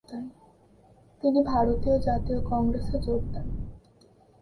তিনি ভারতীয় জাতীয় কংগ্রেসে যোগ দেন।